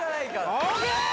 ＯＫ